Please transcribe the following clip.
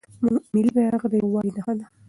ملي بیرغ د یووالي نښه ده.